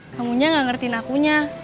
kamunya gak ngerti akunya